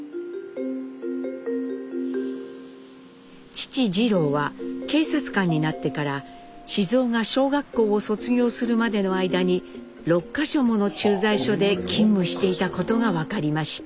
父次郎は警察官になってから雄が小学校を卒業するまでの間に６か所もの駐在所で勤務していたことが分かりました。